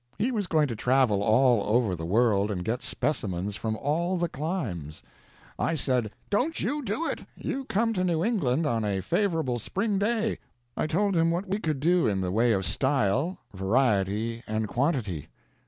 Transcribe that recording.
He was going to travel all over the world and get specimens from all the climes. I said, "Don't you do it; you come to New England on a favorable spring day." I told him what we could do in the way of style, variety, and quantity.